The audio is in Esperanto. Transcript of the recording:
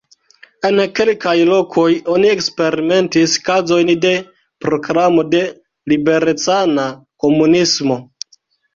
En kelkaj lokoj oni eksperimentis kazojn de proklamo de liberecana komunismo.